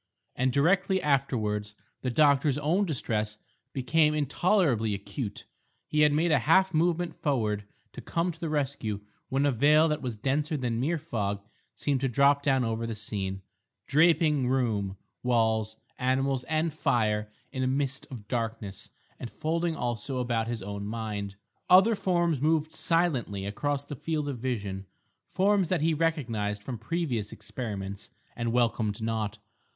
And directly afterwards the doctor's own distress became intolerably acute. He had made a half movement forward to come to the rescue when a veil that was denser than mere fog seemed to drop down over the scene, draping room, walls, animals and fire in a mist of darkness and folding also about his own mind. Other forms moved silently across the field of vision, forms that he recognised from previous experiments, and welcomed not.